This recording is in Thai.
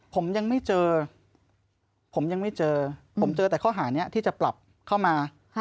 ผมยังไม่เจอผมยังไม่เจอผมเจอแต่ข้อหานี้ที่จะปรับเข้ามา